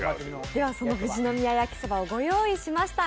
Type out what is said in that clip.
では、その富士宮やきそばをご用意しました。